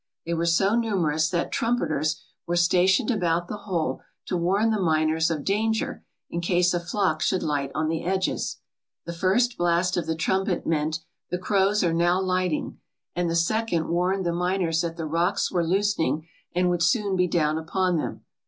They were so numerous that trumpeters were stationed about the hole to warn the miners of danger in case a flock should light on the edges. The first blast of the trumpet meant, "The crows are now lighting, " and the second warned the miners that the rocks were loosening and would soon be down upon them.